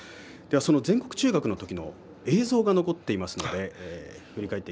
全国中学の時の映像が残っています。